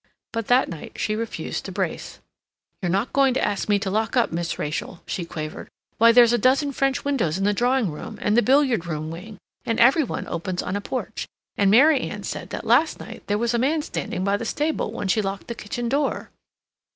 But that night she refused to brace. "You're not going to ask me to lock up, Miss Rachel!" she quavered. "Why, there's a dozen French windows in the drawing room and the billiard room wing, and every one opens on a porch. And Mary Anne said that last night there was a man standing by the stable when she locked the kitchen door."